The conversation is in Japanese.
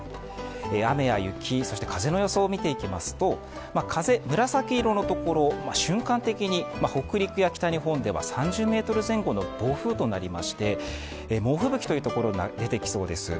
雨や雪、そして風の予想を見ていきますと、風、紫色のところ、瞬間的に北陸や北日本では３０ｍ前後の暴風雨となりまして猛吹雪というところが出てきそうです。